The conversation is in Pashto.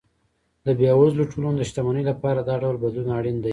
د بېوزلو ټولنو د شتمنۍ لپاره دا ډول بدلون اړین دی.